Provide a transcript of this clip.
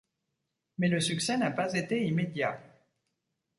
Mais le succès n'a pas été immédiat.